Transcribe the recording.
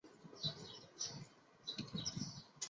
每周六为精彩重播。